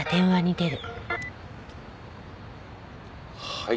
はい。